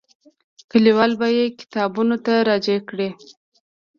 لیکوال به یې کتابونو ته راجع کړي.